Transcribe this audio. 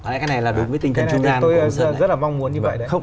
cái này là đúng với tình trạng trung gian của sơn